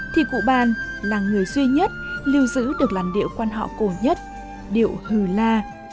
thì cụ ban là người duy nhất lưu giữ được làn điệu quan họ cổ nhất điệu hừ la